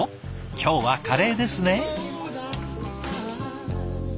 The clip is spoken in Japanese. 今日はカレーですね！